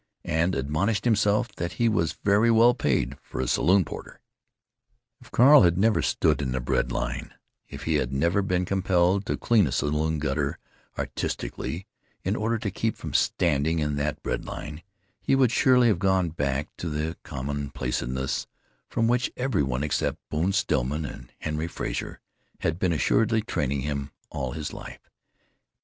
And admonished himself that he was very well paid for a saloon porter. If Carl had never stood in the bread line, if he had never been compelled to clean a saloon gutter artistically, in order to keep from standing in that bread line, he would surely have gone back to the commonplaceness for which every one except Bone Stillman and Henry Frazer had been assiduously training him all his life.